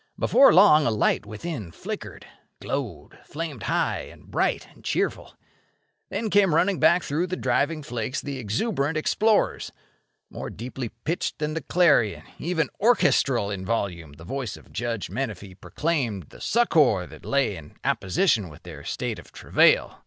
Before long a light within flickered, glowed, flamed high and bright and cheerful. Then came running back through the driving flakes the exuberant explorers. More deeply pitched than the clarion—even orchestral in volume—the voice of Judge Menefee proclaimed the succour that lay in apposition with their state of travail.